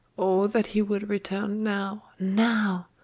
Oh, that he would return now now!